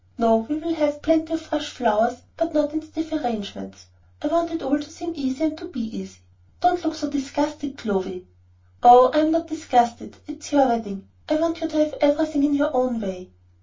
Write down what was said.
No, we will have plenty of fresh flowers, but not in stiff arrangements. I want it all to seem easy and to be easy. Don't look so disgusted, Clovy." "Oh, I'm not disgusted. It's your wedding. I want you to have everything in your own way."